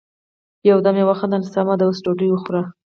يو دم يې وخندل: سمه ده، اوس ډوډی وخورئ!